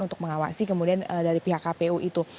untuk mengawasi kemudian dari pihak kpu itu